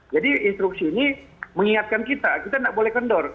jadi instruksi ini mengingatkan kita kita tidak boleh kendor